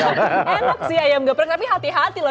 enak sih ayam gepreng tapi hati hati loh